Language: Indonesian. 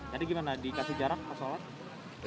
jadi gimana dikasih jarak